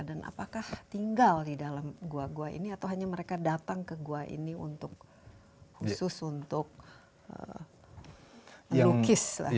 apakah tinggal di dalam gua gua ini atau hanya mereka datang ke gua ini khusus untuk melukis lah